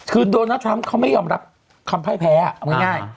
คือโดนัททรัมป์เขาไม่ยอมรับคำพ่ายแพ้เอาง่าย